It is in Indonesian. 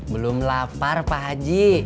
belum lapar pak haji